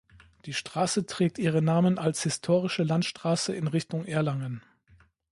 Die Straße trägt ihren Namen als historische Landstraße in Richtung Erlangen.